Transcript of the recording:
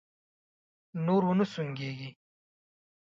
نور و نه سونګېږې!